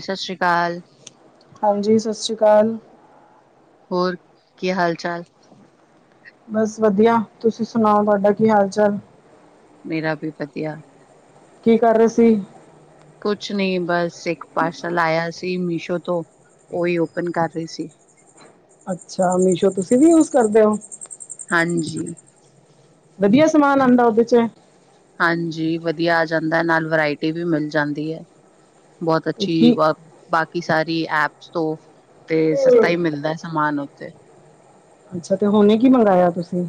ਸਤਿ ਸ੍ਰੀ ਅਕਾਲ ਹਾਂਜੀ ਸਤਿ ਸ੍ਰੀ ਅਕਾਲ ਹੋਰ ਕੀ ਹਾਲ ਚਾਲ ਬਸ ਵਧੀਆ ਤੁਸੀਂ ਸੁਣਾਓ ਤੁਹਾਡਾ ਕੀ ਹਾਲ ਚਾਲ ਮੇਰਾ ਵੀ ਵਧੀਆ ਕੀ ਕਰ ਰਹੇ ਸੀ ਕੁਛ ਨਹੀਂ ਬਸ ਇੱਕ ਪਾਰਸਲ ਆਇਆ ਸੀ ਮੀਸ਼ੋ ਤੋਂ ਉਹੀ ਓਪਨ ਕਰ ਰਹੀ ਸੀ ਅੱਛਾ ਮੀਸ਼ੋ ਤੁਸੀਂ ਵੀ ਯੂਜ਼ ਕਰਦੇ ਹੋ ਹਾਂਜੀ ਵਧੀਆ ਸਮਾਨ ਆਉਂਦਾ ਉਹਦੇ ਚ ਹਾਂਜੀ ਵਧੀਆ ਆ ਜਾਂਦਾ ਨਾਲ ਵਰਾਇਟੀ ਵੀ ਮਿਲ ਜਾਂਦੀ ਹੈ ਬਹੁਤ ਤੇ ਅੱਛੀ ਕੀ ਬਾਕੀ ਸਾਰੀ ਐਪਸ ਤੋਂ ਤੇ ਸਸਤਾ ਹੀ ਮਿਲਦਾ ਹੈ ਸਮਾਨ ਉਤੇ ਅੱਛਾ ਤੇ ਹੁਣੇੇ ਕੀ ਮੰਗਾਇਆ ਤੁਸੀਂ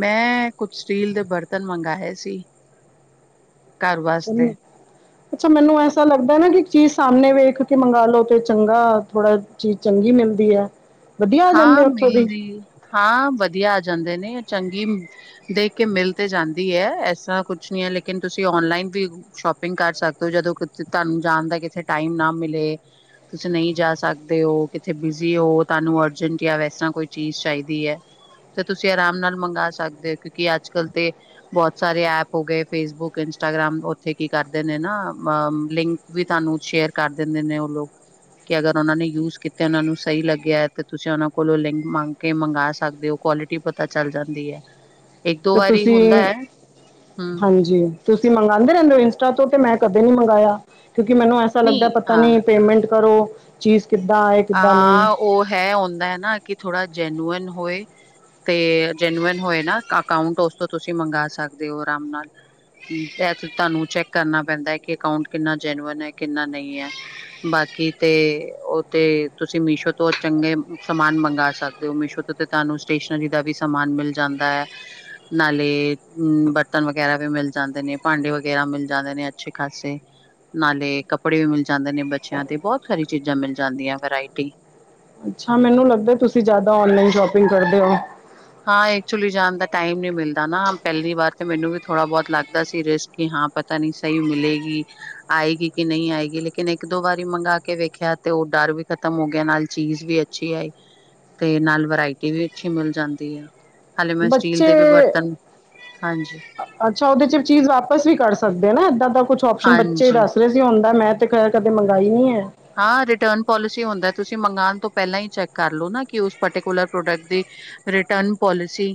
ਮੈਂ ਕੁਛ ਸਟੀਲ ਦੇ ਬਰਤਨ ਮੰਗਾਏ ਸੀ ਘਰ ਵਾਸਤੇ ਅੱਛਾ, ਮੈਨੂੰ ਐਸਾ ਲੱਗਦਾ ਨਾ ਕਿ ਚੀਜ਼ ਸਾਹਮਣੇ ਵੇਖ ਕੇ ਮੰਗਾਲੋ ਤੇ ਚੰਗਾ ਥੋੜਾ ਚੀਜ਼ ਚੰਗੀ ਮਿਲਦੀ ਹੈ ਵਧੀਆ ਆ ਜਾਂਦੇ ਹਾਂ ਆ ਉੱਥੋਂ ਦੀ? ਮਿਲਦੀ ਹਾਂ ਵਧੀਆ ਆ ਜਾਂਦੇ ਨੇ ਚੰਗੀ ਦੇਖ ਕੇ ਮਿਲ ਤੇ ਜਾਂਦੀ ਹੈ ਇਸ ਤਰ੍ਹਾਂ ਕੁਛ ਨੀ ਲੇਕਿਨ ਤੁਸੀਂ ਓਨਲਾਈਨ ਵੀ ਸ਼ੋਪਿੰਗ ਕਰ ਸਕਦੇ ਹੋ ਜਦੋਂ ਤੁਹਾਨੂੰ ਜਾਣ ਦਾ ਕਿਥੇ ਟਾਈਮ ਨਾ ਮਿਲੇ। ਤੁਸੀਂ ਨਹੀਂ ਜਾ ਸਕਦੇ ਹੋ ਕਿੱਥੇ ਬਿਜ਼ੀ ਹੋ ਤਾਨੂੰ ਅਜੰਟਆ ਵੈਸਾ ਕੋਈ ਚੀਜ਼ ਚਾਹੀਦੀ ਹੈ। ਤੇ ਤੁਸੀਂ ਆਰਾਮ ਨਾਲ ਮੰਗਵਾ ਸਕਦੇ ਹੋ ਕਿਉਂਕਿ ਅੱਜ-ਕਲ ਤੇ ਬਹੁਤ ਸਾਰੇ ਐਪ ਹੋ ਗਏ ਫੇਸਬੁੱਕ ਇੰਸਟਾਗ੍ਰਾਮ ਉਥੇ ਕੀ ਕਰਦੇ ਨੇ ਨਾ ਲਿੰਕ ਵੀ ਤੁਹਾਨੂੰ ਸ਼ੇਰ ਕਰ ਦਿੰਦੇ ਨੇ ਉਹ ਲੋਕ। ਕਿ ਅਗਰ ਉਹਨਾਂ ਨੇ ਯੂਜ ਕੀਤੇ ਉਹਨਾਂ ਨੂੰ ਸਹੀ ਲੱਗਿਆ ਤੁਸੀਂ ਉਹਨਾ ਕੋਲੋਂ ਲਿੰਕ ਮੰਗ ਕੇ ਮੰਗਾ ਸਕਦੇ ਹੋ ਕੁਆਲਿਟੀ ਪਤਾ ਚੱਲ ਜਾਂਦੀ ਏ। ਤੇ ਤੁਸੀਂ ਹਮ ਹਾਂਜੀ ਤੁਸੀਂ ਮੰਗਾਂਦੇ ਰਹਿੰਦੇ ਹੋ ਇੰਸਟਾ ਤੋਂ ਤੇ ਮੈਂ ਨਹੀਂ ਮੰਗਾਇਆ ਕਿਉਂਕਿ ਮੈਨੂੰ ਐਸਾ ਲੱਗਦਾ ਨਹੀਂ ਪਤਾ ਹਾਂ ਨੀ ਪੇਮੈਂਟ ਕਰੋ ਚੀਜ਼ ਕਿੱਦਾਂ ਆਏ ਕਿੱਦਾਂ ਨਹੀਂ ਹਾਂ ਉਹ ਹੈ ਹੁੰਦੇ ਹੈ ਨਾ ਕਿ ਥੋੜ੍ਹਾ ਜੈਨੂਅਨ ਹੋਏ ਤੇ ਜੇਨੂੰਅਨ ਹੋਏ ਨਾ ਅਕਾਉਂਟ ਉਸ ਤੋਂ ਤੁਸੀਂ ਮੰਗਾ ਸਕਦੇ ਹੋ ਆਰਾਮ ਨਾਲ ਤੁਹਾਨੂੰ ਚੈਕ ਕਰਨਾ ਪੈਂਦਾ ਕਿ ਅਕਾਊਂਟ ਕਿੰਨਾ ਜੈਨਓਨ ਹੈ, ਕਿੰਨਾ ਨਹੀਂ ਹੈ। ਬਾਕੀ ਤੇ ਉਹ ਤੇ ਤੁਸੀਂ ਮੀਸ਼ੋ ਤੋਂ ਚੰਗੇ ਸਮਾਨ ਮੰਗਵਾ ਸਕਦੇ ਹੋ ਮੀਸ਼ੋ ਤੋਂ ਤੇ ਤੁਹਾਨੂੰ ਸਟੇਸ਼ਨਰੀ ਦਾ ਵੀ ਸਮਾਨ ਮਿਲ ਜਾਂਦਾ ਹੈ ਨਾਲੇ ਹੁ ਬਰਤਨ ਵਗੈਰਾ ਵੀ ਮਿਲ ਜਾਂਦੇ ਨੇ ਭਾਂਡੇ ਵਗੈਰਾ ਮਿਲ ਜਾਂਦੇ ਨੇ ਅੱਛੇ ਖ਼ਾਸੇ ਨਾਲੇ ਕੱਪੜੇ ਵੀ ਮਿਲ ਜਾਂਦੇ ਨੇ ਬੱਚਿਆਂ ਤੇ ਬਹੁਤ ਸਾਰੀ ਚੀਜ਼ਾਂ ਮਿਲ ਜਾਂਦੀਆਂ ਵਰਾਇਟੀ ਅੱਛਾ ਮੈਨੂੰ ਲੱਗਦਾ ਤੁਸੀਂ ਜਿਆਦਾ ਓਨਲਾਈਨ ਸ਼ੋਪਿੰਗ ਕਰਦੇ ਹੋ। ਹਾਂ ਐਕਚੁਲੀ ਜਾਣ ਦਾ ਟਾਈਮ ਨੀ ਮਿਲਦਾ ਨਾ ਪਹਿਲੀ ਵਾਰ ਤੇ ਮੈਨੂੰ ਵੀ ਥੋੜਾ ਬਹੁਤ ਲੱਗਦਾ ਸੀ ਰਿਸਕੀ ਹ ਹਾਂ ਪਤਾ ਨੀ ਸਹੀ ਮਿਲੇਗੀ ਆਏਗੀ ਕਿ ਨਹੀਂ ਆਏਗੀ ਲੇਕਿਨ ਇੱਕ ਦੋ ਵਾਰੀ ਮੰਗਾਵਾ ਕੇ ਵੇਖਿਆ ਤੇ ਓ ਡਰ ਵੀ ਖਤਮ ਹੋ ਗਿਆ ਨਾਲ ਚੀਜ਼ ਵੀ ਅੱਛੀ ਆਈ ਤੇ ਨਾਲ ਵਰਾਇਟੀ ਵੀ ਅੱਛੀ ਮਿਲ ਜਾਂਦੀ ਹਾਲੇ ਮੈਂ ਸਟੀਲ ਬੱਚੇ ਦੇ ਵੀ ਬਰਤਨ ਹਾਂਜੀ ਅੱਛਾ ਉਹਦੇ ਚ ਚੀਜ਼ ਵਾਪਸ ਵੀ ਕਰੱ ਸਕਦੇ ਨਾ ਇਦਾ ਦਾ ਕੁਛ ਆਪਓਸ਼ਨ ਬੱਚੇ ਹਾਂਜੀ ਦੱਸ ਰਹੇ ਸੀ ਹੁੰਦਾ ਮੈਂ ਤੇ ਕ ਕਦੇ ਮੰਗਾਈ ਨੀ ਹੈ। ਹਾਂ ਰਿਟਰਨ ਪੋਲਿਸੀ ਹੋਂਦਾ ਹੈ ਤੁਸੀਂ ਮੰਗਾਨ ਤੋਂ ਪਹਿਲਾਂ ਹੀ ਚੈਕ ਕਰ ਲਓ ਨਾ ਕਿ ਉਸ ਪਰਟੀਕੂਲਰ ਪ੍ਰੋਡਕਟ ਦੀ ਰਿਟਰਨ ਪੋਲਿਸੀ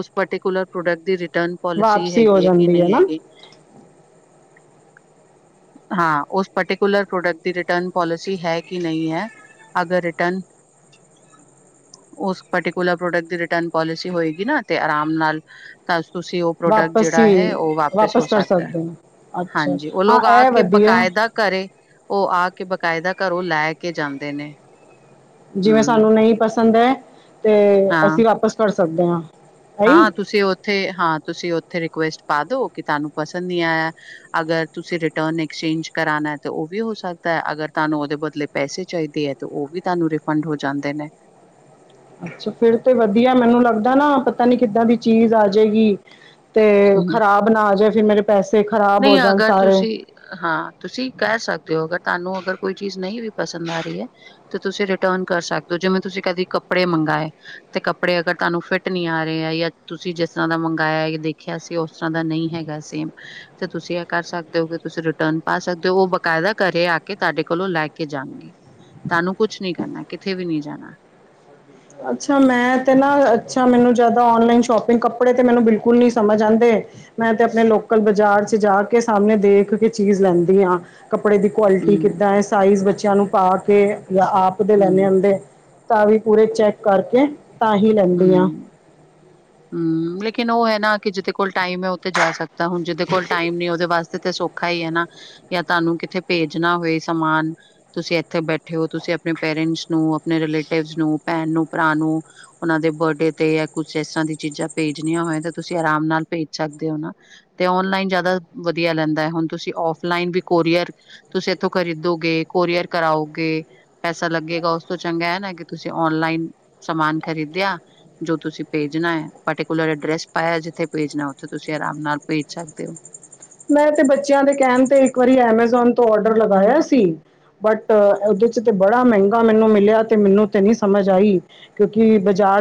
ਉਸ ਪਰਟੀਕੁਲਰ ਪ੍ਰੋਡਕਟ ਦੀ ਟਨ ਪੋਲਿਸੀ ਵਾਪਸੀ ਹੋ ਹੈਗੀ ਹੈ ਕਿ ਜਾਂਦੀ ਨਹੀਂ ਨਾ ਹੈਗੀ। ਹਾਂ ਉਸ ਪਰਟੀਕੁਲਰ ਪ੍ਰੋਡਕਟ ਦੀ ਟਰਨ ਪੋਲਸੀ ਹੈ ਕਿ ਨਹੀਂ ਹੈ ਅਗਰ ਰਿਟਰਨ ਉਸ ਪਰਟੀਕੁਲਰ ਪ੍ਰੋਡਕਟ ਦੀ ਰਿਟਰਨ ਪੋਲਿਸੀ ਹੋਏਗੀ ਨਾ ਤੇ ਆਰਾਮ ਨਾਲ ਤਾਂ ਤੁਸੀਂ ਉਹ ਪ੍ਰੋਡਕਟ ਵਾਪਸ ਜਿਹੜਾ ਹੀ ਹੈ ਉਹ ਵਾਪਿਸ ਹੋ ਵਾਪਸ ਕਰ ਸਕਦਾ ਸਕਦੇ ਨੇ ਅੱਛਾ ਹਾਂਜੀ ਉਹ ਹਾਂ ਲੋਕ ਆ ਇਹ ਕੇ ਵਧੀਆ ਬਾਕਾਇਦ ਦਾ ਘਰੇ ਉਹ ਆ ਕੇ ਬਾਕਾਇਦਾ ਘਰੋ ਲੈ ਕੇ ਜਾਂਦੇ ਨੇ। ਜਿਵੇਂ ਹਮ ਸਾਨੂੰ ਨਹੀਂ ਪਸੰਦ ਹੈ ਤੇ ਹਾਂ ਅਸੀਂ ਵਾਪਿਸ ਕਰ ਸਕਦੇ ਹਾਂ ਹਾਂ ਇਹੀ ਤੁਸੀਂ ਉੱਥੇ ਹਾਂ ਤੁਸੀਂ ਉੱਥੇ ਰਿਕੁਐਸਟ ਪਾ ਦੋ ਕਿ ਤੁਹਾਨੂੰ ਪਸੰਦ ਨੀ ਆਇਆ ਅਗਰ ਤੁਸੀਂ ਰਿਟਰਨ ਐਕਸਚੇਂਜ ਕਰਾਣਾ ਤੇ ਉਹ ਵੀ ਹੋ ਸਕਦਾ ਅਗਰ ਤਾਨੂੰ ਉਹਦੇ ਬਦਲੇ ਪੈਸੇ ਚਾਹੀਦੇ ਹੈ ਤੇ ਉਹ ਵੀ ਤੁਹਾਨੂੰ ਰਿਫੰਡ ਹੋ ਜਾਂਦੇ ਨੇ ਅੱਛਾ ਫਿਰ ਤੇ ਵਧੀਆ ਮੈਨੂੰ ਲੱਗਦਾ ਨਾ ਪਤਾ ਨੀ ਕਿੱਦਾਂ ਦੀ ਚੀਜ਼ ਆ ਜੇਗੀ ਤੇ ਹੂੰ। ਖ਼ਰਾਬ ਨਾ ਆ ਜੇ ਫਿਰ ਮੇਰੇ ਪੈਸੇ ਖ਼ਰਾਬ ਹੋ ਨਹੀਂ ਜਾਣ ਅਗਰ ਸਾਰੇ ਤੁਸੀਂ ਹਾਂ ਤੁਸੀਂ ਕਹਿ ਸਕਦੇ ਹੋ ਅਗਰ ਤੁਹਾਨੂੰ ਅਗਰ ਕੋਈ ਚੀਜ਼ ਨਹੀਂ ਵੀ ਪਸੰਦ ਆ ਰਹੀ ਹੈ ਤੇ ਤੁਸੀਂ ਰਿਟਰਨ ਕਰ ਸਕਦੇ ਹੋ ਜਿਵੇਂ ਤੁਸੀਂ ਕਦੀ ਕੱਪੜੇ ਮੰਗਾਏ ਤੇ ਕੱਪੜੇ ਅਗਰ ਤੁਹਾਨੂੰ ਫਿਟ ਨਹੀਂ ਆ ਰਹੇ ਆ ਜਾਂ ਤੁਸੀਂ ਜਿਸ ਤਰ੍ਹਾਂ ਦਾ ਮੰਗਾਇਆ ਯਾ ਦੇਖਿਆ ਸੀ ਉਸ ਤਰ੍ਹਾਂ ਦਾ ਨਹੀਂ ਹੈ [unintelligible] ਸੇਮ ਤੇ ਤੁਸੀਂ ਇਹ ਕਰ ਸਕਦੇ ਹੋ ਕਿ ਤੁਸੀਂ ਰਿਟਰਨ ਪਾ ਸਕਦੇ ਹੋ ਉਹ ਬਕਾਇਦਾ ਘਰੇ ਆ ਕੇ ਤੁਹਾਡੇ ਕੋਲੋਂ ਲੈ ਕੇ ਜਾਣਗੇ। ਤਾਨੂੰ ਕੁਛ ਨੀ ਕਰਨਾ ਕਿਥੇ ਵੀ ਨੀ ਜਾਣਾ। ਅੱਛਾ ਮੈਂ ਤੇ ਨਾ ਅੱਛਾ ਮੈਨੂੰ ਜਿਆਦਾ ਆਨਲਾਈਨ ਸ਼ੋਪਿੰਗ ਕੱਪੜੇ ਤੇ ਮੈਨੂੰ ਬਿਲਕੁਲ ਨੀ ਸਮਝ ਆਂਦੇ। ਮੈਂ ਤੇ ਆਪਣੇ ਲੋਕਲ ਬਾਜ਼ਾਰ ਚ ਜਾ ਕੇ ਸਾਹਮਣੇ ਦੇਖ ਕੇ ਚੀਜ਼ ਲੈਂਦੀ ਹਾਂ [inaudible] ਕੱਪੜੇ ਦੀ ਕੁਆਲਿਟੀ ਹਮ ਕਿੱਦਾਂ ਹੈ ਸਾਈਜ਼ ਬੱਚਿਆਂ ਨੂੰ ਪਾ ਕੇ ਆਪ ਦੇ ਲੈਨੇ ਹਮ ਹੁੰਦੇ ਹੈ। ਤਾਂ ਵੀ ਪੂਰੇ ਚੈਕ ਕਰਕੇ ਤਾਂ ਹੀ ਲੈਂਦੀ ਹਾਂ। ਹਮ ਲੇਕਿਨ ਉਹ ਹੈ ਨਾ ਕਿ ਜਿਦੇ ਕੋਲ ਟਾਈਮ ਹੈ ਉਹ ਤੇ ਜਾ ਸਕ ਤਾਂ ਹੁਣ ਜਿਹਦੇ ਕੋਲ ਟਾਈਮ ਨੀ ਉਹਦੇ ਵਾਸਤੇ ਤੇ ਸੌਖਾ ਹੀ ਹੈ ਨਾ ਯਾ ਤਾਨੂੰ ਕਿੱਥੇ ਭੇਜਨਾ ਹੋਏ ਸਮਾਨ ਤੁਸੀਂ ਇੱਥੇ ਬੈਠੇ ਹੋ ਤੁਸੀਂ ਆਪਣੇ ਪੇਰੈਂਟਸ ਨੂੰ ਆਪਣੇ ਰਿਲੇਟਿਵਸ ਨੂੰ ਭੈਣ ਨੂੰ ਭਰਾ ਨੂੰ ਉਹਨਾਂ ਦੇ ਬਰਡੇ ਤੇ ਕੁਛ ਇਸ ਤਰ੍ਹਾਂ ਦੀ ਚੀਜ਼ਾਂ ਭੇਜਣੀਆਂ ਹੋ ਤੁਸੀਂ ਆਰਾਮ ਨਾਲ ਭੇਜ ਸਕਦੇ ਹੋ ਨਾ [inaudible] ਤੇ ਓਨਲਾਈਨ ਜਿਆਦਾ ਵਧੀਆ ਲੈਂਦਾ ਹੈ ਹੁਣ ਤੁਸੀਂ ਫਲਾਈਨ ਵੀ ਕੋਰੀਅਰ ਤੁਸੀਂ ਇੱਥੋਂ ਖਰੀਦੋਗੇ [inaudible] ਕੋਰੀਅਰ ਕਰਾਓਗੇ ਪੈਸਾ ਲਗੇਗਾ ਉਸਤੋ ਚੰਗਾ ਹੈ ਨਾ ਕਿ ਤੁਸੀਂ ਆਨਲਾਈਨ ਸਮਾਨ ਖਰੀਦਿਆ ਜੋ ਤੁਸੀਂ ਭੇਜਨਾ ਹੈ ਭੇਜ਼ ਸਕਦੇ ਹੋ। ਮੈਂ ਤੇ ਬੱਚਿਆਂ ਦੇ ਕਹਿਣ ਤੇ ਇੱਕ ਵਾਰੀ ਐਮੇਜ਼ੋਨ ਤੋਂ ਆਰਡਰ ਲਗਾਇਆ ਸੀ। ਬਟ ਉਹਦੇ ਚ ਬਾਹਰ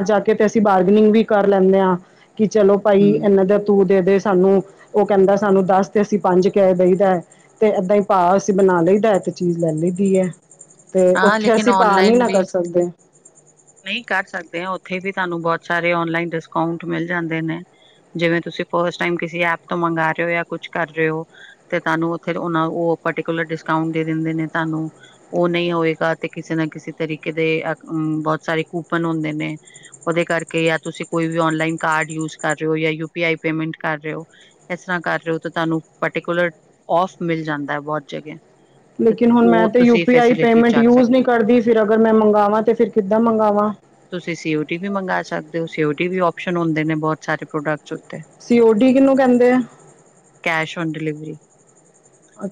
ਜਾ ਕੇ ਤੇ ਅਸੀਂ ਬਾਰਗਨਿੰਗ ਵੀ ਕਰ ਲੈਂਨੇ ਹਾਂ। ਕਿ ਚਲੋ ਭਾਈ ਹਮ ਇਹਨਾਂ ਦਾ ਤੂੰ ਦੇ ਦੇ ਸਾਨੂੰ ਉਹ ਕਹਿੰਦਾ ਸ ਸਾਨੂੰ ਦੱਸ ਤੇ ਅਸੀਂ ਪੰਜ ਕਹਿ ਦਈਦਾ ਹੈ ਤੇ ਏਦਾਂ ਹੀ ਭਾਅ ਅਸੀਂ ਬਣਾ ਲਈਦਾ ਹੈ ਤੇ ਚੀਜ਼ ਲੈ ਲਈ ਦੀ ਹੈ। ਤੇ ਹਾਂ ਉੱਥੇ ਲੇਕਿਨ ਅਸੀਂ ਭਾਅ ਨਹੀਂ ਔਨਲਾਈਨ ਨਾ ਵੀ ਕਰ ਸਕਦੇ ਥੇ ਵੀ ਤੁਹਾਨੂੰ ਬਹੁਤ ਸਾਰੇ ਆਨਲਾਈਨ ਡਿਸਕਾਊਂਟ ਜਿਵੇਂ ਤੁਸੀਂ ਫਸਟ ਟਾਈਮ ਕਿਸੇ ਐਪ ਤੋਂ ਮੰਗਾ ਰਹੇ ਹੋ ਜਾਂ ਕੁਛ ਕਰ ਰਹੇ ਹੋ ਤੇ ਤੁਹਾਨੂੰ ਉਥੇ ਉਹਨਾਂ ਉਹ ਪਰਟੀਕੁਲਰ ਡਿਸਕਾਉਂਟ ਦੇ ਦਿੰਦੇ ਨੇ ਤਾਨੁ ਉਹ ਨਹੀਂ ਹੋਏ ਜਾਂ ਤੁਸੀਂ ਕੋਈ ਵੀ ਆਨਲਾਈਨ ਕਾਰਡ ਯੂਜ ਕਰ ਰਹੇ ਹੋ ਯਾ ਯੂ ਪੀ ਆਈ ਤੁਹਾਨੂੰ ਪਰਟੀਕੂਲਰ ਔਫ ਮਿਲ ਜਾਂਦਾ ਹੈ ਬੋਤ ਜਗੇ। ਲੇਕਿਨ ਹੁਣ ਮੈਂ ਤੇ ਯੂ ਪੀ ਆਈ ਪੇਮੈਂਟ ਚੱਕ ਸਕਦੇ। ਯੂਜ ਨਹੀਂ ਕਰਦੀ ਫਿਰ ਅਗਰ ਮੈਂ ਮੰਗਾਵਾਾਂ ਤੇ ਫਿਰ ਕਿੱਦਾਂ ਮੰਗਗਾਵਾਾਂ ਤੁਸੀਂ ਸੀਓਟੀ ਵੀ ਮੰਗਾਂ ਸਕਦੇ ਹੋ ਸੀਓਟੀ ਵੀ ਆਪਸ਼ਨ ਹੁੰਦੇ ਨੇ ਬਹੁਤ ਸਾਰੇ ਪ੍ਰੋਡਕਟਸ ਉ ਸੀ- ਓ- ਡੀ, ਕਿਹਨੂੰ ਕਹਿੰਦੇ ਆ? ਕੈਸ਼ ਓਨ ਡਿਲੀਵਰੀ,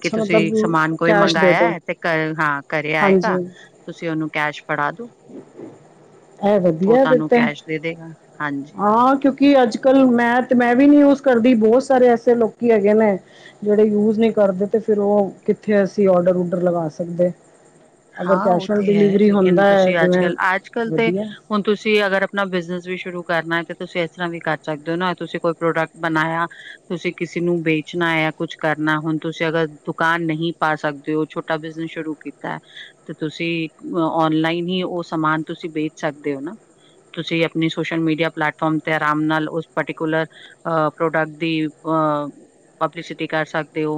ਕਿ ਤੁਸੀਂ ਮਤਲਬ ਸਮਾਨ ਕੋਈ ਕੈਸ਼ ਦੇ ਦੋ ਮੰਗਾਇਆ ਤੇ ਹਾਂ। ਘਰੇ ਆਏਗਾ, ਹਾਂਜੀ ਤੁਸੀਂ ਉਹਨੂੰ ਕੈਸ਼ ਫੜਾ ਦੋ, ਇਹ ਉਹ ਵਧੀਆ ਫਿਰ ਤੁਹਾਨੂੰ ਤੇ ਕੈਸ਼ ਦੇ ਦੇਗਾ। ਹਾਂਜੀ ਹਾਂ, ਕਿਉਂਕਿ। ਕਿ ਅੱਜ ਕੱਲ ਮੈਂ ਤੇ ਕਰਦੇ ਤੇ ਫਿਰ ਉਹ ਕਿੱਥੇ ਅਸੀਂ ਔਡਰ ਉਡਰ ਲਗਾ ਸਕਦੇ [inaudible] ਹਾਂ ਉਹ ਕੈਸ਼ ਔਨ ਤੇ ਹੈ ਡਿਲੀਵਰੀ ਲੇਕਿਨ ਹੁੰਦਾ ਹੈ ਤੁਸੀਂ ਅੱਜ ਜਿਵੇਂ ਕੱਲ ਆਜ ਕੱਲ ਤੇ ਵਧੀਆ ਹੁਣ ਤੁਸੀਂ ਅਗਰ ਆਪਣਾ ਬਿਜਨੈਸ ਵੀ ਸ਼ੁਰੂ ਕਰਨਾ ਹੈ ਤੇ ਤੁਸੀਂ ਇਸ ਤਰ੍ਹਾਂ ਵੀ ਕਰ ਸਕਦੇ ਹੋ ਨਾ ਤੁਸੀਂ ਕੋਈ ਪ੍ਰੋਡਕਟ ਬਣਾਇਆ ਤੁਸੀਂ ਕਿਸੀ ਨੂੰ ਵੇਚਨਾ ਹੈ। ਕੁਛ ਕਰਨਾ ਹੁਣ ਤੁਸੀਂ ਅਗਰ ਦੁਕਾਨ ਨਹੀਂ ਪਾ ਸਕਦੇ ਉ ਛੋਟਾ ਬਿਜਨਸ ਸ਼ੁਰੂ ਕੀਤਾ ਹੈ। ਤੇ ਤੁਸੀਂ ਓਨਲਾਈਨ ਹੀ ਉਹ ਸਮਾਨ ਤੁਸੀਂ ਤੁਸੀਂ ਹਾਂ ਪਬਲਿਸਿਟੀ ਕਰ ਸਕਦੇ ਹੋ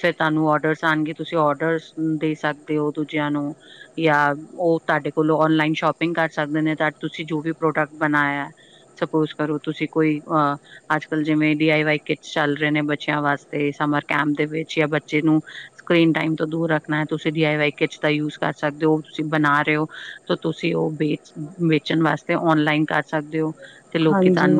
ਫਿਰ ਤੁਹਾਨੂੰ ਆਰਡਰਸ ਆਂਗੇ ਤੁਸੀਂ ਆਰਡਰਸ ਦੇ ਸਕਦੇ ਹੋ। ਦੂਜਿਆਂ ਨੂੰ ਯਾ ਬਣਾਇਆ ਸਪੋਜ ਕਰੋ ਤੁਸੀਂ ਕੋਈ ਬੱਚਿਆਂ ਵਾਸਤੇ ਸਮਰ ਕੈਂਪ ਦੇ ਵਿੱਚ ਜਾਂ ਬੱਚੇ ਨੂੰ ਸਕਰੀਨ ਟਾਈਮ ਤੋਂ ਦੂਰ ਰੱਖਣਾ ਹੈ ਤੁਸੀਂ ਵੀ ਐਵੇ ਕਿੱਚ ਦਾ ਯੂਜ ਕਰ ਸਕਦੇ ਹੋ ਤੁਸੀਂ ਬਣਾ ਰਹੇ ਹੋ ਤੋ ਤੁਸੀਂ ਉਹ ਵੇਚ ਵੇਚਣ ਵਾਸਤੇ ਆਨਲਾਈਨ ਕਰ ਸਕਦੇ ਹੋ ਤੇ ਹਾਂਜੀ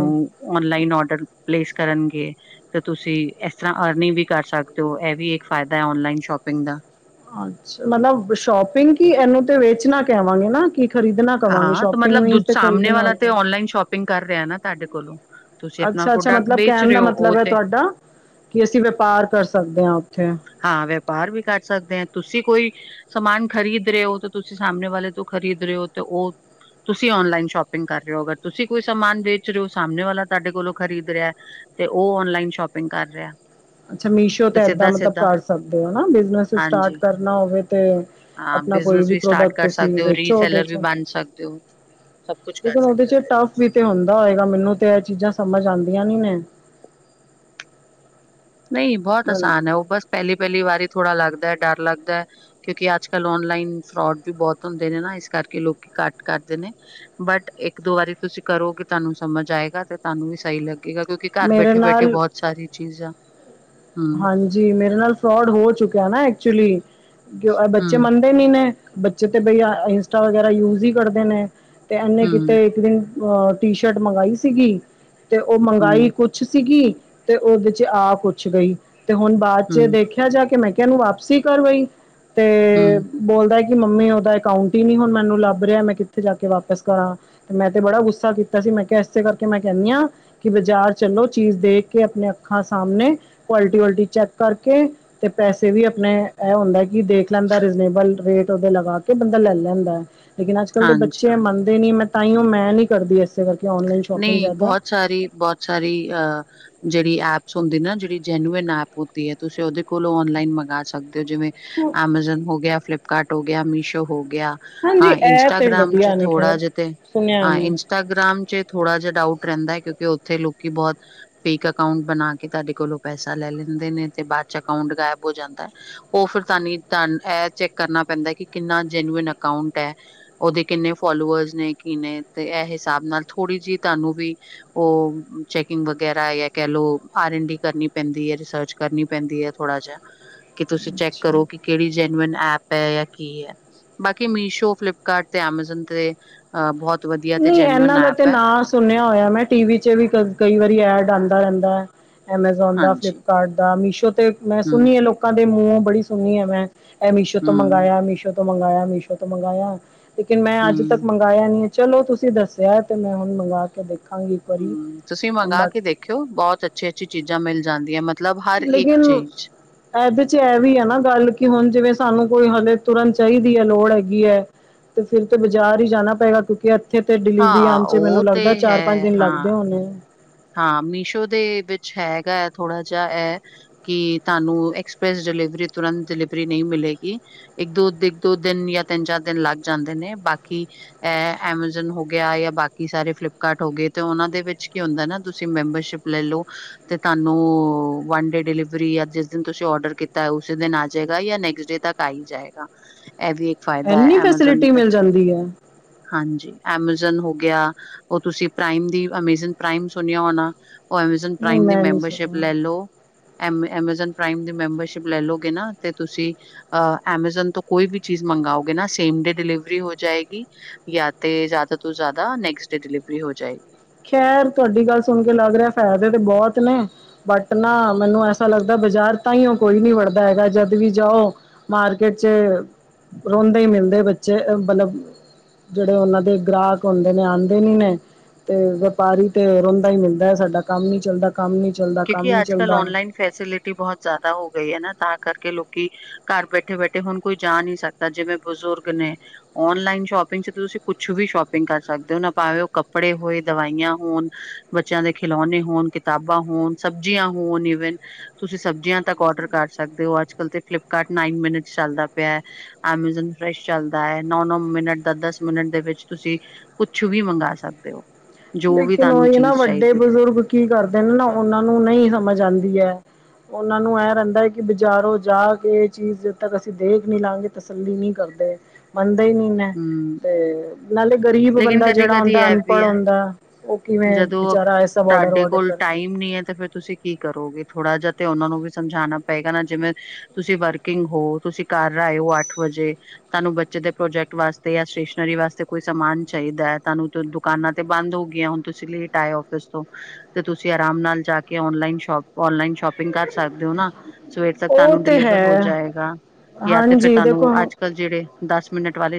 ਪਲੇਸ ਕਰਨਗੇ ਤੇ ਤੁਸੀਂ ਇਸ ਤਰ੍ਹਾਂ ਅਰਨਿੰਗ ਵੀ ਕਰ ਸਕਦੇ ਹੋ ਇਹ ਵੀ ਇੱਕ ਫਾਇਦਾ ਹੈ ਆਨਲਾਈਨ ਸ਼ੋਂ ਪਿੰਗ ਦਾ ਅੱਛਾ ਮਤਲਬ ਸ਼ੋਪਿੰਗ ਕੀ ਇਹਨੂੰ ਤੇ ਵੇਚਣਾ ਕੇਵਾਂਗੇ ਨਾ ਕਿ ਖਰੀਦਣਾ ਕਵਾਂਗੇ ਹਾਂ ਤੇ ਸ਼ੋਪਿੰਗ ਮਤਲਬ ਦੁ ਮੀਨਸ ਤੇ ਸਾਹਮਣੇ ਖਰੀਦਣਾ ਵਾਲਾ ਤੇ ਹੁੰਦਾ ਆਨਲਾਈਨ ਸ਼ੋਪਿੰਗ ਕਰ ਰਿਹਾ ਨਾ ਤਾਢੇ ਕੋਲੋਂ। ਤੁਸੀਂ ਆਪਣਾ ਅੱਛਾ - ਅੱਛਾ ਪ੍ਰੋਡਕਟ ਮਤਲਬ ਵੇਚ ਕਹਿਣ ਰਹੇ ਦਾ ਹੋ ਉਹ ਮਤਲਬ ਹੈ ਤੇ ਤੁਹਾਡਾ ਕਿ ਅਸੀਂ, ਵਪਾਰ ਕਰ ਸਕਦੇ ਹਾਂ ਉੱਥੇ? ਹਾਂ ਵਪਾਰ ਵੀ ਕਰ ਸਕਦੇ ਹਾਂ, ਤੂਸੀਂ ਕੋਈ ਸਮਾਨ ਖਰੀਦ ਰਹੇ ਹੋ ਤਾਂ ਤੁਸੀਂ ਸਾਹਮਣੇ ਵਾਲੇ ਤੋਂ ਖਰੀਦ ਰਹੇ ਹੋ ਤੇ ਉਹ ਤੁਸੀਂ ਆਨਲਾਈਨ ਸ਼ੋਪਿੰਗ ਕਰ ਰਹੇ ਹੋ, ਅਗਰ ਤੁਸੀਂ ਕੋਈ ਸਮਾਨ ਵੇਚ ਰਹੇ ਹੋ, ਸਾਹਮਣੇ ਵਾਲਾ ਤੁਹਾਡੇ ਕੋਲੋਂ ਖਰੀਦ ਰਿਹਾ। ਤੇ, ਉਹ ਔਨਲਾਈਨ ਸ਼ੋਪਿੰਗ ਕਰ ਰਿਹਾ। ਅੱਛਾ, ਮੀਸ਼ੋ ਤੇ ਏਦਾਂ ਸਿੱਧਾ ਮਤਲਬ ਸਿੱਧਾ ਕਰ ਸਕਦੇ ਹਾਂ, ਬਿਜਨਸ ਸਟਾਰਟ ਹਾਂਜੀ ਕਰਨਾ ਹੋਵੇ। ਤੇ ਹਾਂ ਆਪਣਾ ਕੋਈ ਬਿਜਨਸ ਵੀ ਸਟਾਰਟ ਪ੍ਰੋਡਕਟ ਕਰ ਤੁਸੀਂ ਸਕਦੇ ਹੋ ਵੇਚੋ ਉਹਦੇ ਰੀਸੈਲਰ ਚ ਵੀ ਬਣ ਸਕਦੇ ਹੋ ਸਭ ਕੁਛ ਕਰ ਲੇਕਿਨ ਉਹਦੇ ਸਕਦੇ ਹੋ ਚ ਵਿੱਚ। ਟਫ ਵੀ ਤੇ ਹੁੰਦਾ ਹੋਏਗਾ, ਮੈਨੂੰ। ਤੇ ਇਹ ਚੀਜ਼ਾਂ, ਸਮਝ ਆਉਂਦੀਆਂ ਨੀ ਨੇ। ਨਹੀਂ ਬਹੁਤ ਆਸਾਨ ਹੈ। ਉਹ ਬਸ ਪਹਿਲੀ- ਪਹਿਲੀ ਵਾਰੀ ਥੋੜਾ ਲੱਗਦਾ ਡਰ ਲੱਗਦਾ ਹੈ। ਕਿਉਂਕਿ ਅੱਜ ਕੱਲ੍ਹ ਔਨਲਾਈਨ ਫਰੋਡ ਵੀ ਬਹੁਤ ਹੁੰਦੇ ਨੇ ਨਾ, ਇਸ ਕਰਕੇ ਲੋਕੀਂ ਘੱਟ ਕਰਦੇ ਨੇ, ਬਟ ਇੱਕ ਦੋ ਵਾਰੀ ਤੁਸੀਂ ਕਰੋਗੇ, ਤੁਹਾਨੂੰ ਸਮਝ ਆਏਗਾ ਤੇ ਤੁਹਾਨੂੰ ਵੀ ਸਹੀ। ਲੱਗੇ ਗਾ ਕਿਉਂਕਿ ਘਰ ਮੇਰੇ ਬੈਠੇ -ਬੈਠੇ ਨਾਲ ਬਹੁਤ ਸਾਰੀਆਂ ਚੀਜ਼ਾਂ ਆ। ਹਾਂਜੀ, ਮੇਰੇ ਨਾਲ ਫਰੋਡ ਹੋ ਚੁੱਕਿਆ ਨਾ ਐਕਚੁਲੀ ਬੱਚੇ ਹਮ ਮੰਨਦੇ ਨੀ। ਆਪਣੇ ਬੱਚੇ ਤੇ ਬਈ ਅਹ ਇੰਸਟਾ ਵਗੈਰਾ ਯੂਜ ਹੀ ਕਰਦੇ ਨੇ, ਤੇ ਇਨੇ ਹਮ ਕਿਤੇ ਇੱਕ ਦਿਨ। ਅਹ ਟੀ ਸ਼ਰਟ, ਮੰਗਾਈ ਸੀਗੀ ਤੇ ਉਹ ਮੰਗਾਈ ਹੂੰ, ਕੁਛ ਸੀਗੀ ਤੇ ਉਹਦੇ 'ਚ ਆ ਕੁਛ ਗਈ, ਤੇ ਹੁਣ ਬਾਅਦ 'ਚ ਹੂੰ, ਦੇਖਿਆ ਜਾ ਕੇ ਮੈਂ। ਮੈਂ ਕਿਹਾ, ਇਹਨੂੰ ਵਾਪਸੀ ਕਰ ਬਈ ਤੇ ਹੂੰ, ਬੋਲਦਾ। ਨਹੀਂ ਮੰਮੀ, ਉਹਦਾ ਅਕਾਊਂਟ ਹੀ ਨੀ ਹੁਣ ਮੈਨੂੰ ਲੱਭ ਰਿਹਾ ਮੈਂ ਕਿੱਥੇ ਜਾ ਕੇ ਵਾਪਿਸ ਕਰਾਂ, ਤੇ ਮੈਂ ਤੇ ਬੜਾ ਗੁੱਸਾ ਕੀਤਾ ਸੀ। ਮੈਂ ਕਿਹਾ, ਇਸੇ ਕਰਕੇ ਮੈਂ ਕਹਿੰਦੀ ਹਾਂ, ਕਿ ਬਾਜ਼ਾਰ ਚਲੋ ਚੀਜ਼ ਦੇਖ ਕੇ ਆਪਣੇ ਅੱਖਾਂ ਸਾਹਮਣੇ। ਕੁਆਲਟੀ, ਆਲਟੀ ਚੈੱਕ ਕਰਕੇ ਤੇ ਪੈਸੇ ਵੀ ਆਪਣੇ ਇਹ ਹੁੰਦਾ। ਕੀ ਦੇਖ ਲੈਂਦਾ, ਰੀਜਨੇਬਲ ਰੇਟ ਉਹਦੇ ਲਗਾ ਕੇ ਬੰਦਾ ਲੈ ਲੈਂਦਾ ਹੈ। ਲੇਕਿਨ ਅੱਜ ਕੱਲ੍ਹ ਦੇ ਹਾਂਜੀ। ਬੱਚੇ ਮੰਨਦੇ ਨੀ, ਮੈਂ ਤਾਂ ਹੀ ਉਹ ਮੈਂ ਨਹੀਂ ਕਰਦੀ ਇਸ। ਨਹੀਂ ਬਹੁਤ ਸਾਰੀ, ਬਹੁਤ ਸਾਰੀ ਅਹ ਜਿਹੜੀ। ਜਿਹੜੀ ਐਪਸ ਹੁੰਦੀ ਨਾ, ਜਿਹੜੀ ਜੈਨੂਅਨ ਐਪ ਹੁੰਦੀ ਹੈ। ਤੁਸੀਂ ਉਹਦੇ ਕੋਲੋਂ ਔਨਲਾਈਨ ਮੰਗਵਾ ਸਕਦੇ ਹੋ? ਜਿਵੇਂ ਐਮਾਜਨ ਹੋ ਗਿਆ ਹੈ, ਫਲਿਪਕਾਰਟ ਹੋ ਗਿਆ ਹੈ, ਮੀਸ਼ੋ ਹੋ ਗਈ। ਗਈਆ ਹਾਂਜੀ ਹਾਂ, ਇਹ ਤੇ ਇੰਸਟਾਗ੍ਰਾਮ 'ਚ ਵਧੀਆ ਨੇ ਥੋੜਾ ਖੈਰ ਜਿਹਾ ਤੇ ਸੁਣਿਆ ਹਾਂ ਮੈਂ ਇੰਸਟਾਗ੍ਰਾਮ 'ਚ ਥੋੜਾ ਜਿਹਾ ਡਾਊਟ ਰਹਿੰਦਾ ਹੈ। ਕਿਉਂਕਿ ਉੱਥੇ ਲੋਕੀ ਬਹੁਤ ਫੇਕ ਅਕਾਊਂਟ, ਬਣਾ ਕੇ ਤੁਹਾਡੇ ਕੋਲੋਂ ਪੈਸਾ ਲੈ ਲੈਂਦੇ। ਲੈਂਦੇ ਨੇ, ਤੇ ਬਾਅ'ਚ ਅਕਾੰਊਂਟ ਗਾਇਬ ਹੋ ਜਾਂਦਾ, ਉਹ ਫਿਰ ਤੁਹਾਨੂੰ ਇਹ ਚੈੱਕ ਕਰਨਾ ਪੈਂਦਾ ਕਿ ਕਿੰਨਾ ਜੈਨੂਅਨ ਅਕਾੰਊਟ ਐ, ਓਹਦੇ ਕਿੰਨੇ ਫੋਲੋਵਰਸ ਨੇ, ਕੀ ਨੇ ਤੇ ਇਹ ਹਿਸਾਬ ਨਾਲ ਥੋੜ੍ਹੀ ਜਿਹੀ ਤੁਹਾਨੂੰ ਵੀ, ਉਹ ਚੈਕਿੰਗ ਵਗੈਰਾ ਯਾ ਕਹਿ ਲੋੋ, ਆਰ ਐਨ ਡੀ ਕਰਨੀ ਪੈਂਦੀ। ਫੇਰ ਸਰਚ ਕਰਨੀ ਪੈਂਦੀ ਹੈ। ਥੋੜਾ ਜਿਹਾ ਕਿ ਤੁਸੀਂ ਚੈੱਕ ਅੱਛਾ ਕਰੋ ਕਿ ਕਿਹੜੀ ਜੈਨੂਅਨ ਆ। ਐਪ ਹੈ ਜਾਂ ਕੀ ਹੈ ਬਾਕੀ ਮੀਸ਼ੋ, ਫਲਿੱਪਕਾਰਟ ਤੇ ਐਮਾਜ਼ਨ ਤੇ ਅ ਬਹੁਤ। ਬਹੁਤ ਵਧੀਆ ਤੇ ਨਹੀਂ ਜੈਨੂਅਨ ਇਹਨਾਂ ਦਾ ਐਪ। ਤੇ ਹੈ ਨਾਂ ਸੁਣਿਆ ਹੋਇਆ, ਮੈਂ ਟੀਵੀ 'ਚ ਵੀ ਕਈ ਵਾਰੀ ਐਡ ਆਉਂਦਾ ਰਹਿੰਦਾ ਹੈ। ਐਮਾਜ਼ੋਨ ਦਾ ਹਾਂਜੀ ਫਲਿਪਕਾਰਟ ਦਾ ਮੀਸ਼ੋ ਤੇ ਮੈਂ ਹਮ ਸੁਣੀ ਆ ਲੋਕਾਂ ਦੇ ਮੂੰਹ ਬੜੀ ਸੁਣੀ ਆ ਮੈਂ। ਇਹ ਮੀਸ਼ੋ ਤੋਂ ਹਮ ਮੰਗਵਾਇਆ, ਮੀਸ਼ੋ ਤੋਂ ਮੰਗਾਇਆ, ਮੀਸ਼ੋ ਤੋਂ ਮੰਗਵਾਇਆ, ਲੇਕਿਨ ਮੈਂ ਅੱਜ ਤੱਕ ਹਮ ਮੰਗਇਆ ਨੀ। ਚਲੋ, ਤੁਸੀਂ ਦੱਸਿਆ ਤੇ ਮੈਂ ਹੁਣ ਮੰਗਵਾ ਕੇ? ਦੇਖਾਂਗੀ ਇੱਕ ਵਾਰੀ। ਹੂੰ, ਤੁਸੀਂ ਮੰਗਵਾ ਬਾਕੀ ਕੇ ਦੇਖਿਓ ਬਹੁਤ ਅੱਛੀ -ਅੱਛੀ, ਚੀਜ਼ਾਂ ਮਿਲ ਜਾਂਦੀਆਂ ਮਤਲਬ ਹਰ ਇੱਕ ਲੇਕਿਨ, ਚੀਜ਼ ਇਹਦੇ 'ਚ ਇਹ ਵੀ ਹੈ ਨਾ, ਗੱਲ ਕਿ ਹੁਣ ਜਿਵੇਂ ਸਾਨੂੰ ਕੋਈ ਹਲੇ। ਤੁਰੰਤ ਚਾਹੀਦੀ ਹੈ ਲੋੜ ਹੈਗੀ ਹੈ, ਤੇ ਫਿਰ ਤੇ ਬਾਜ਼ਾਰ ਹੀ ਜਾਣਾ ਪਏਗਾ ਕਿਉਂਕਿ? ਇੱਥੇ ਤੇ ਡਿਲੀਵਰੀ ਹਾਂ ਆਉਣ 'ਚ ਮੈਨੂੰ ਉਹ ਤੇ ਲੱਗਦਾ ਚਾਰ, ਪੰਜ ਹੈ ਦਿਨ ਲੱਗਦੇ ਹਾਂ ਹੋਣੇ। ਹਾਂ ਮੀਸ਼ੋ ਦੇ ਵਿੱਚ ਹੈਗਾ ਹੈ ਥੋੜਾ ਜਿਹਾ ਇਹ ਕਿ ਤੁਹਾਨੂੰ ਐਕਸਪ੍ਰੈਸ ਡਿਲੀਵਰੀ ਤੁਰੰਤ ਡਿਲੀਵਰੀ ਨਹੀਂ ਮਿਲੇਗੀ, ਇੱਕ ਦੋ, ਦੋ ਦਿਨ ਜਾਂ ਤਿੰਨ -ਚਾਰ ਦਿਨ ਲੱਗ ਜਾਂਦੇ ਨੇ। ਬਾਕੀ ਇਹ ਐਮਾਜੋਨ ਹੋ ਗਿਆ ਜਾਂ ਬਾਕੀ ਸਾਰੇ ਫਲਿਪਕਾਰਟ ਹੋ ਗਏ ਤੇ ਉਹਨਾਂ ਦੇ ਵਿੱਚ ਕੀ ਹੁੰਦਾ ਨਾ? ਤੁਸੀਂ ਮੈਂਬਰਸ਼ਿਪ ਲੈ ਲਉ ਤੇ ਤੁਹਾਨੂੰ ਵਨ ਡੇ ਡਿਲੀਵਰੀ ਜਿਸ ਦਿਨ ਤੁਸੀਂ ਔਡਰ ਕੀਤਾ। ਉਸੇ ਦਿਨ ਆ ਜਾਏਗਾ, ਜਾਂ ਨੈਕਸਟ ਡੇ ਤੱਕ ਆ ਹੀ ਜਾਏਗਾ। ਇਹ ਵੀ ਇੱਕ ਫਾਇਦਾ ਹੈ, ਇੰਨੀ ਐਮਾਜ਼ਨ ਫੈਸਿਲਿਟੀ ਦਾ ਮਿਲ ਜਾਂਦੀ ਹੈ ਹਾਂਜੀ ਐਮਾਜ਼ੋਨ ਹੋ। ਗਿਆ ਉਹ ਤੁਸੀਂ ਪ੍ਰਾਈਮ ਦੀ, ਅਮੇਜ਼ਨ ਪ੍ਰਾਈਮ ਸੁਣਿਆ ਹੋਨਾ। ਉਹ, ਐਮਾਜ਼ੋਨ ਨਹੀਂ ਪ੍ਰਾਈਮ ਦੀ ਮੈਂ ਨਹੀਂ ਮੈਂਬਰਸ਼ਿਪ ਸੁਣਿਆ ਲੈਲੋ। ਐਮਐਮ 'ਐਮਾਜ਼ੋਨ ਪ੍ਰਾਈਮ' ਦੀ ਮੈਂਬਰਸ਼ਿਪ ਲੈਲੋਗੇ ਨਾ ਤੇ, ਤੁਸੀਂ ਅ ਐਮਾਜੋਨ ਤੋਂ ਕੋਈ ਵੀ ਚੀਜ਼ ਮੰਗਾਓਗੇ ਨਾ ਸੇਮ ਡੇ ਡਿਲੀਵਰੀ ਹੋ ਜਾਏਗੀ, ਯਾ ਤੇ ਜ਼ਿਆਦਾ ਤੋਂ ਜ਼ਿਆਦਾ ਨੈਕਸਟ ਡੇ ਡਿਲੀਵਰੀ ਹੋ ਜਾਏਗੀ। ਖੈਰ! ਤੁਹਾਡੀ ਗੱਲ ਸੁਣਕੇ ਲਗ ਰਿਹਾ ਫ਼ਾਇਦੇ ਤੇ ਬਹੁਤ ਨੇ, ਬਟ ਨਾ ਮੈਨੂੰ ਐਸਾ ਲੱਗਦਾ ਬਾਜ਼ਾਰ ਤਾਂਈਓ ਕੋਈ ਨੀ ਵੜ ਵੜਦਾ ਹੈਗਾ ਜਦ ਵੀ ਜਾਓ, ਮਾਰਕੀਟ'ਚ ਰੋਂਦੇ ਹੀ ਮਿਲਦੇ ਬੱਚੇ, ਮਤਲਬ। ਜਿਹੜੇ ਉਹਨਾਂ ਦੇ ਗ੍ਰਾਹਕ ਹੋਂਦੇ ਨੇ, ਆਂਦੇ ਨੀ ਨੇ। ਤੇ, ਵਪਾਰੀ ਤੇ ਰੋਂਦਾ ਹੀ ਮਿਲਦਾ ਹੈ ਸਾਡਾ ਕੰਮ ਨੀ ਚੱਲਦਾ। ਕੰਮ ਨੀ ਚੱਲਦਾ ਕੰਮ ਕਿਉਂਕੀ ਨੀ ਆਜ ਕਲ ਚੱਲਦਾ ''ਔਨਲਾਈਨ ਫੈਸਿਲਿਟੀ ਬਹੁਤ ਜ਼ਿਆਦਾ ਹੋ ਗਈ ਹੈ ਨਾ ਤਾਂ, ਕਰ ਕੇ ਲੋਕੀ ਘਰ ਬੈਠੇ- ਬੈਠੇ ਹੁਣ ਕੋਈ ਜਾ ਨਹੀਂ ਸਕਦਾ, ਜਿਵੇਂ ਬਜ਼ੁਰਗ ਨੇ ''ਔਨਲਾਈਨ ਸ਼ੋਪਿੰਗ ਤੁਸੀਂ ਕੁਛ ਵੀ ਸ਼ੋਪਿੰਗ ਕਰ ਸਕਦੇ ਹੋ, ਨਾ ਭਾਵੇ ਓ ਕੱਪੜੇ ਹੋਏ, ਦਵਾਈਆਂ ਹੋਣ, ਬੱਚਿਆਂ ਦੇ ਖਿਲੋ ਹੋਣ ਕਿਤਾਬਾਂ ਹੋਣ ਸਬਜੀਆਂ ਹੋਣ ਈਵੇਨ ਤੁਸੀਂ ਸਬਜੀਆਂ ਤੱਕ ਔਰਡਰ ਕਰ ਸਕਦੇ ਹੋ, ਅੱਜ-ਕਲ ਤੇ ਫਲਿਪਕਾਰਟ ਨਾਈਨ ਮੀਨਟ ਚੱਲਦਾ ਪਿਆ ਐਮਾਜ਼ਾਨ ਫਰੈਸ਼ ਚੱਲਦਾ ਹੈ, ਨੌ-ਨੌ ਮਿਨਟ ਦਾ, ਦਸ-ਦਸ ਮਿੰਟ ਦੇ ਵਿੱਚ ਤੁਸੀਂ ਕੁਛ ਵੀ ਮੰਗਾ ਸਕਦੇ ਹੋ। ਜੋ ਵੀ ਲੇਕਿਨ ਤੁਹਾਨੂੰ ਉਹੀ ਨਾ, ਚੀਜ਼ ਵੱਡੇ ਚਾਹੀਦੀ ਹੈ ਬਜ਼ੁਰਗ ਕੀ ਕਰਦੇਨ ਨਾ, ਉਹਨਾਂ ਨੂੰ ਨਹੀਂ ਸਮਝ ਆਂਦੀ ਐ। ਉਹਨਾਂ ਨੂੰ ਇਹ ਰਹਿੰਦਾ ਕਿ ਬਜ਼ਾਰੋਂ ਜਾਕੇ, ਇਹ ਚੀਜ਼ ਜਦ ਤੱਕ ਅਸੀਂ ਦੇਖ ਨੀ ਲਾਂਗੇ, ਤਸੱਲੀ ਨਹੀਂ ਕਰ [unintelligible] ਦਾ ਨਹੀਂ ਮ ਹੂੰ। ਤੇ, ਨਾਲੇ ਗ਼ਰੀਬ ਲੇਕਿਨ ਬੰਦਾ ਜਿਹੜਾ ਕਦੀ-ਕਦੀ ਹੁੰਦਾ ਐ ਵੀ ਅਨਪੜ੍ਹ ਆ ਹੋਂਦਾ ਜਦੋਂ ਤੁਹਾਡੇ ਵਡਰ ਕੋਲ ਕਰੇ ਟਾਈਮ ਨੀ ਹੈ, ਤੇ ਫਿਰ ਤੁਸੀ ਕੀ ਕਰੋਗੇ। ਥੋੜਾ ਜਿਹਾ ਤੇ, ਉਹਨਾ ਨੂੰ ਵੀ ਸਮਝਾਣਾ ਪਏਗਾ ਨਾ, ਜਿਵੇਂ ਤੁਸੀਂ ਵਰਕਿੰਗ ਹੋ ਤੁਸੀਂ ਘਰ ਆਇ ਹੋ, ਅੱਠ ਵਜ ਜੇ, ਤੁਹਾਨੂੰ ਬੱਚੇ ਦੇ ਪ੍ਰੋਜੈਕਟ ਵਾਸਤੇ ਯਾ ਸਟੇਸ਼ਨਰੀ ਵਾਸਤੇ ਕੋਈ ਸਮਾਨ ਚਾਹੀਦਾ, ਤੁਹਾਨੂੰ ਦੁਕਾਨਾਂ ਤੇ ਬੰਦ ਹੋ ਗਈਆਂ ਹੁਣ ਤੁਸੀਂ ਲੇਟ ਆਏ ਫਿਸ ਤੋਂ ਤੁਸੀਂ ਆਰਾਮ ਨਾਲ ਜਾਕੇ ''ਔਨਲਾਈਨ ਸ਼ੋਪ ਆਨਲਾਈਨ ਸ਼ੋਪਿੰਗ ਕਰ ਸਕਦੇ ਹੋ ਨਾ। ਸਵੇਰ ਤੱਕ ਉਹ ਤੁਹਾਨੂੰ ਤੇ ਡਿਲੀਵਰ ਹੋ ਹੈ ਜਾਏਗਾ। ਯਾ ਤੇ, ਫਿਰ ਹਾਂਜੀ ਤੁਹਾਨੂੰ ਦੇਖੋ ਅੱਜ-ਕੱਲ ਜਿਹੜੇ ਦੱਸ ਮਿੰਟ ਵਾਲੇ